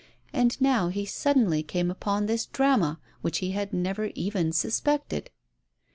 And now he suddenly came upon this drama, which he had never even sus pected.